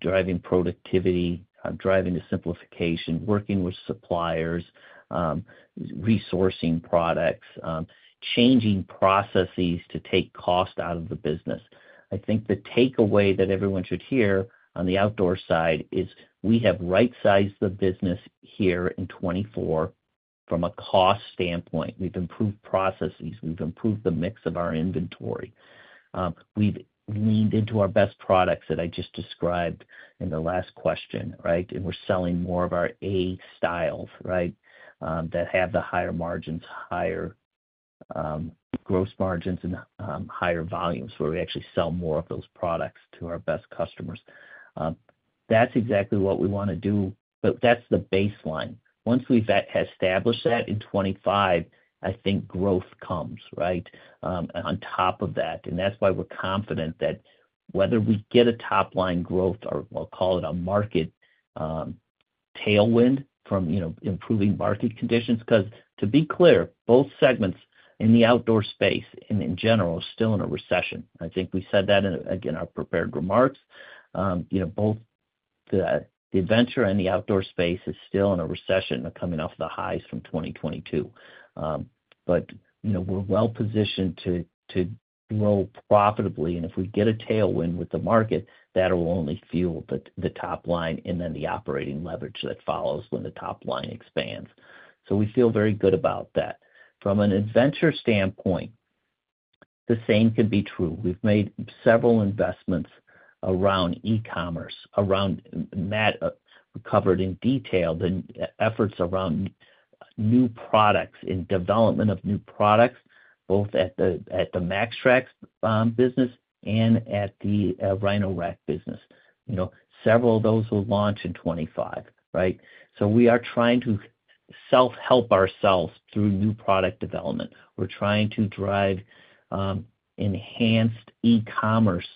driving productivity, driving the simplification, working with suppliers, resourcing products, changing processes to take cost out of the business. I think the takeaway that everyone should hear on the outdoor side is we have right-sized the business here in 2024 from a cost standpoint. We've improved processes. We've improved the mix of our inventory. We've leaned into our best products that I just described in the last question, right? We're selling more of our A styles, right, that have the higher margins, higher gross margins, and higher volumes where we actually sell more of those products to our best customers. That's exactly what we want to do, but that's the baseline. Once we've established that in 2025, I think growth comes, right, on top of that. And that's why we're confident that whether we get a top-line growth or we'll call it a market tailwind from improving market conditions, because to be clear, both segments in the outdoor space and in general are still in a recession. I think we said that in, again, our prepared remarks. Both the adventure and the outdoor space are still in a recession and are coming off the highs from 2022. But we're well-positioned to grow profitably. And if we get a tailwind with the market, that will only fuel the top line and then the operating leverage that follows when the top line expands. So we feel very good about that. From an adventure standpoint, the same can be true. We've made several investments around e-commerce. Matt covered in detail the efforts around new products and development of new products, both at the MAXTRAX business and at the Rhino-Rack business. Several of those will launch in 2025, right? So we are trying to self-help ourselves through new product development. We're trying to drive enhanced e-commerce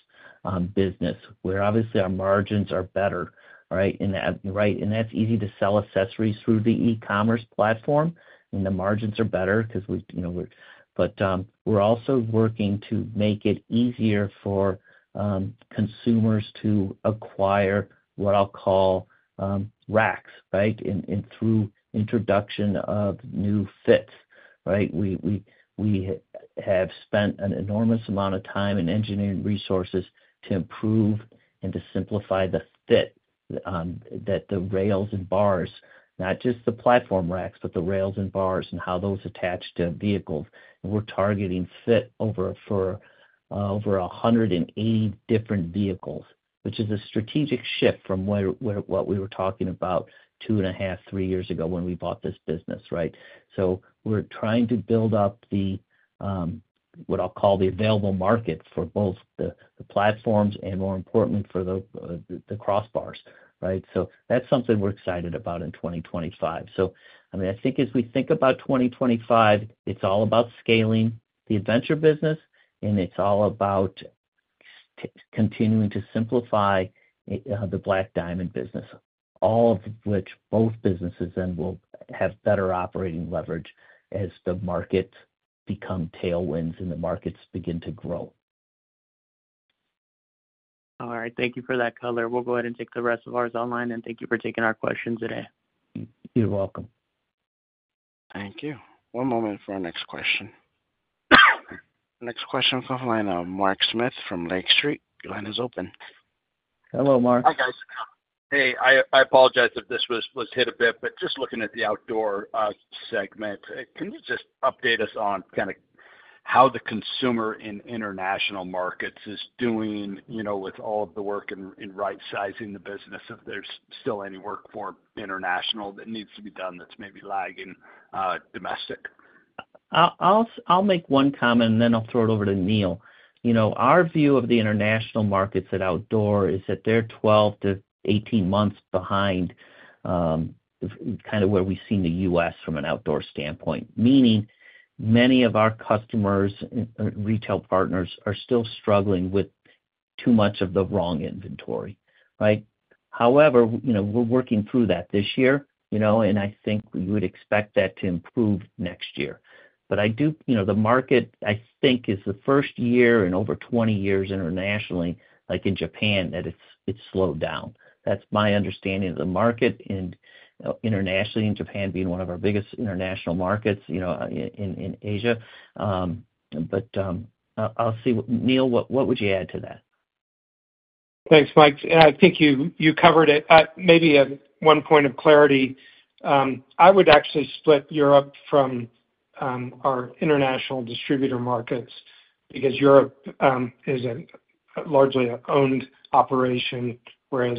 business where obviously our margins are better, right? And that's easy to sell accessories through the e-commerce platform, and the margins are better because we're, but we're also working to make it easier for consumers to acquire what I'll call racks, right? And through introduction of new fits, right? We have spent an enormous amount of time and engineering resources to improve and to simplify the fit that the rails and bars, not just the platform racks, but the rails and bars and how those attach to vehicles. And we're targeting fit over 180 different vehicles, which is a strategic shift from what we were talking about two and a half, three years ago when we bought this business, right? So we're trying to build up what I'll call the available market for both the platforms and, more importantly, for the crossbars, right? So that's something we're excited about in 2025. So, I mean, I think as we think about 2025, it's all about scaling the Adventure business, and it's all about continuing to simplify the Black Diamond business, all of which both businesses then will have better operating leverage as the markets become tailwinds and the markets begin to grow. All right. Thank you for that, Cody. We'll go ahead and take the rest of ours online, and thank you for taking our questions today. You're welcome. Thank you. One moment for our next question. Next question from line of Mark Smith from Lake Street. Your line is open. Hello, Mark. Hi, guys. Hey, I apologize if this was hit a bit, but just looking at the outdoor segment, can you just update us on kind of how the consumer in international markets is doing with all of the work in right-sizing the business? If there's still any work for international that needs to be done that's maybe lagging domestic? I'll make one comment, and then I'll throw it over to Neil. Our view of the international markets at outdoor is that they're 12-18 months behind kind of where we see in the U.S. from an outdoor standpoint, meaning many of our customers and retail partners are still struggling with too much of the wrong inventory, right? However, we're working through that this year, and I think we would expect that to improve next year. But I do, the market, I think, is the first year in over 20 years internationally, like in Japan, that it's slowed down. That's my understanding of the market, and internationally in Japan being one of our biggest international markets in Asia. But I'll see. Neil, what would you add to that? Thanks, Mike. I think you covered it. Maybe one point of clarity. I would actually split Europe from our international distributor markets because Europe is largely an owned operation, whereas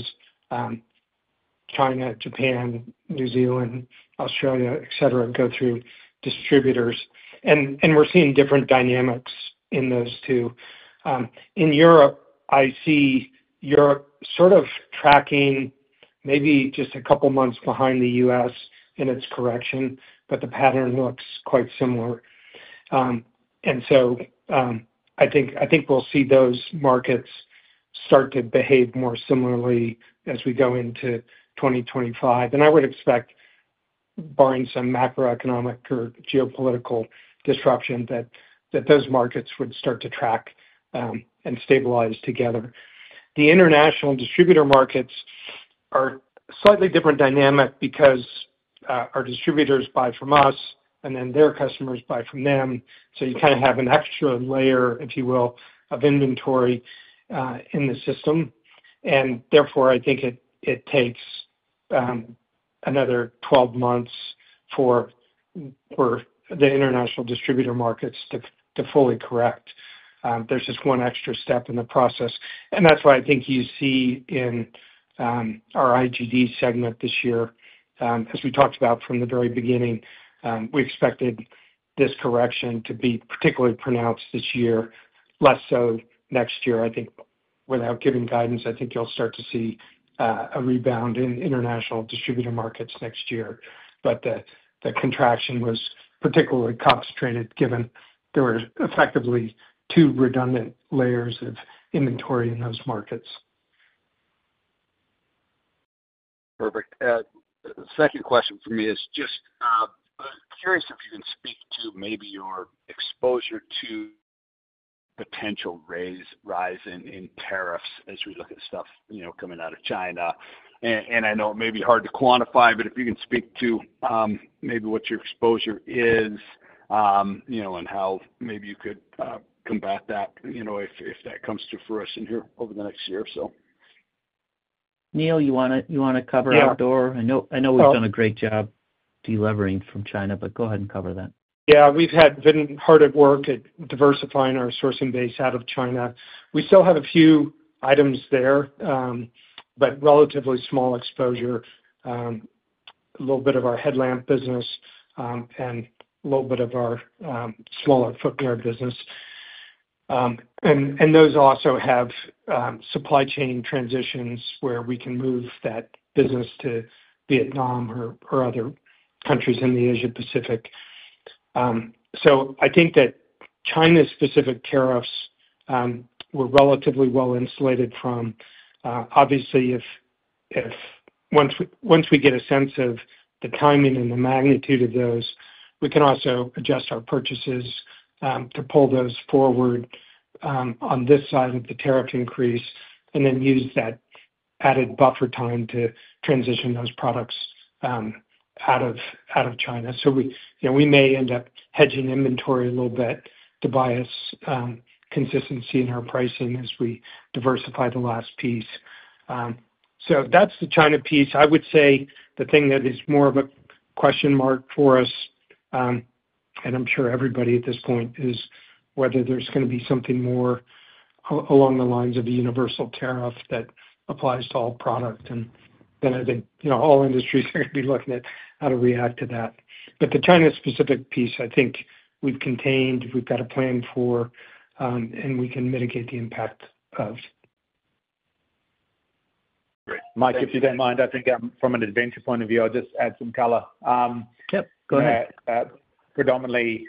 China, Japan, New Zealand, Australia, etc., go through distributors. And we're seeing different dynamics in those two. In Europe, I see Europe sort of tracking maybe just a couple of months behind the U.S. in its correction, but the pattern looks quite similar. And so I think we'll see those markets start to behave more similarly as we go into 2025. And I would expect, barring some macroeconomic or geopolitical disruption, that those markets would start to track and stabilize together. The international distributor markets are a slightly different dynamic because our distributors buy from us, and then their customers buy from them. So you kind of have an extra layer, if you will, of inventory in the system. Therefore, I think it takes another 12 months for the international distributor markets to fully correct. There's just one extra step in the process. That's why I think you see in our IGD segment this year, as we talked about from the very beginning, we expected this correction to be particularly pronounced this year, less so next year. I think without giving guidance, I think you'll start to see a rebound in international distributor markets next year. The contraction was particularly concentrated given there were effectively two redundant layers of inventory in those markets. Perfect. Second question for me is just curious if you can speak to maybe your exposure to potential rise in tariffs as we look at stuff coming out of China, and I know it may be hard to quantify, but if you can speak to maybe what your exposure is and how maybe you could combat that if that comes to fruition here over the next year or so? Neil, you want to cover outdoor? I know we've done a great job delivering from China, but go ahead and cover that. Yeah. We've been hard at work at diversifying our sourcing base out of China. We still have a few items there, but relatively small exposure, a little bit of our headlamp business and a little bit of our smaller footwear business, and those also have supply chain transitions where we can move that business to Vietnam or other countries in the Asia-Pacific. So I think that China-specific tariffs were relatively well insulated from, obviously, if once we get a sense of the timing and the magnitude of those, we can also adjust our purchases to pull those forward on this side of the tariff increase and then use that added buffer time to transition those products out of China, so we may end up hedging inventory a little bit to buy us consistency in our pricing as we diversify the last piece, so that's the China piece. I would say the thing that is more of a question mark for us, and I'm sure everybody at this point is whether there's going to be something more along the lines of a universal tariff that applies to all products, and then I think all industries are going to be looking at how to react to that, but the China-specific piece, I think we've contained, we've got a plan for, and we can mitigate the impact of. Great. Mike, if you don't mind, I think from an adventure point of view, I'll just add some color. Yep. Go ahead. Predominantly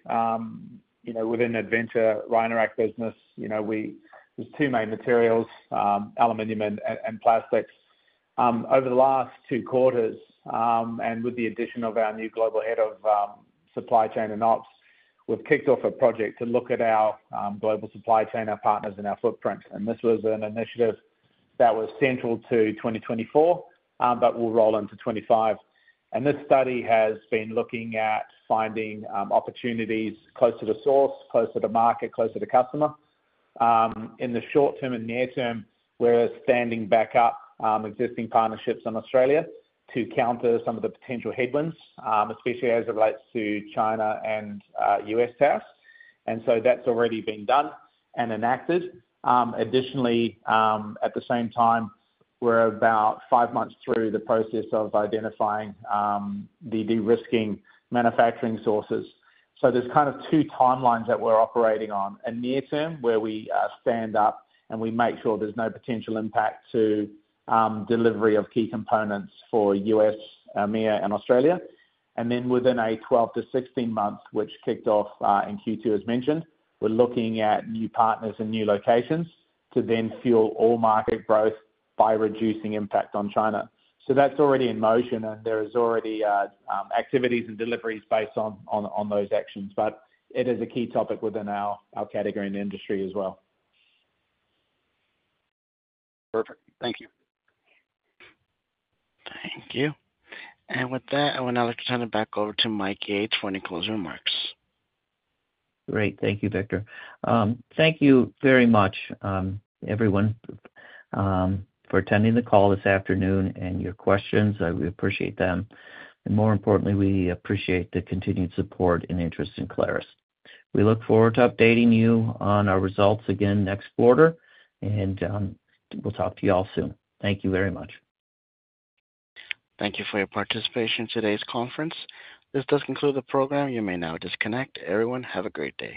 within Adventure, Rhino-Rack business, there's two main materials: aluminum and plastic. Over the last two quarters and with the addition of our new global head of supply chain and ops, we've kicked off a project to look at our global supply chain, our partners, and our footprint. And this was an initiative that was central to 2024, but will roll into 2025. And this study has been looking at finding opportunities closer to source, closer to market, closer to customer in the short term and near term, whereas standing back up existing partnerships in Australia to counter some of the potential headwinds, especially as it relates to China and U.S. tariffs. And so that's already been done and enacted. Additionally, at the same time, we're about five months through the process of identifying the de-risking manufacturing sources. So there's kind of two timelines that we're operating on: a near term where we stand up and we make sure there's no potential impact to delivery of key components for US, EMEA, and Australia. And then within a 12- to 16-month, which kicked off in Q2, as mentioned, we're looking at new partners and new locations to then fuel all market growth by reducing impact on China. So that's already in motion, and there are already activities and deliveries based on those actions. But it is a key topic within our category and industry as well. Perfect. Thank you. Thank you. And with that, I want to turn it back over to Mike Yates for any closing remarks. Great. Thank you, Victor. Thank you very much, everyone, for attending the call this afternoon and your questions. We appreciate them. And more importantly, we appreciate the continued support and interest in Clarus. We look forward to updating you on our results again next quarter, and we'll talk to you all soon. Thank you very much. Thank you for your participation in today's conference. This does conclude the program. You may now disconnect. Everyone, have a great day.